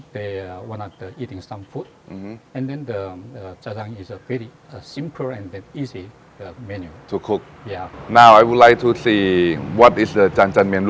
ตอนนี้ผมอยากดูว่าจังเมียนมีความรู้สึกยังไงคุณส่งให้ผมดูกันได้ไหม